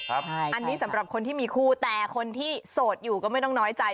อันนี้สำหรับคนที่มีคู่แต่คนที่โสดอยู่ก็ไม่ต้องน้อยใจ